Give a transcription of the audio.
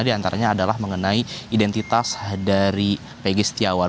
diantaranya adalah mengenai identitas dari pg setiawan